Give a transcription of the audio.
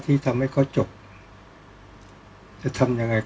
ก็ต้องทำอย่างที่บอกว่าช่องคุณวิชากำลังทำอยู่นั่นนะครับ